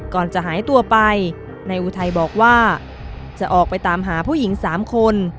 ก่อนจะหายตัวไปนายอุทัยบอกว่าจะออกไปตามหาผู้หญิง๓คน